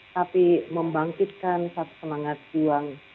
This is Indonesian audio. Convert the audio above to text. tapi membangkitkan satu semangat juang